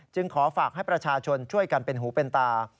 ขอฝากให้ประชาชนช่วยกันเป็นหูเป็นตา